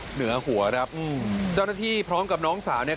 เหนือหัวครับอืมเจ้าหน้าที่พร้อมกับน้องสาวเนี่ย